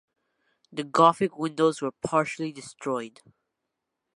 The Gothic windows are partially destroyed.